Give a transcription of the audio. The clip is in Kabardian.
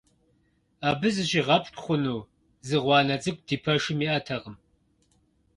Абы зыщигъэпщкӀу хъуну зы гъуанэ цӀыкӀу ди пэшым иӀэтэкъым.